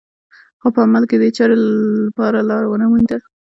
خو په عمل کې دې چارې لپاره لاره ونه مونده